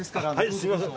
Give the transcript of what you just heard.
すいません。